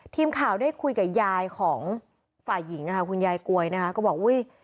ทีมข่าวได้คุยกับยายของฝ่ายหญิงค่ะคุณยายกวยนะคะก็บอกอุ้ย